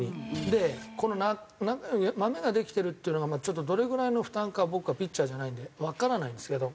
でこの中指にマメができてるっていうのがまあちょっとどれぐらいの負担か僕はピッチャーじゃないんでわからないんですけど。